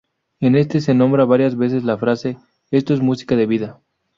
En este se nombra varias veces la frase "esto es Música de vida".